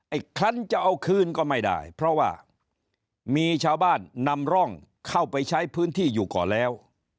คลั้นจะเอาคืนก็ไม่ได้เพราะว่ามีชาวบ้านนำร่องเข้าไปใช้พื้นที่อยู่ก่อนแล้ว